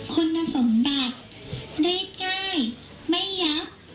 คุณสมบัติได้ง่ายไม่ยับ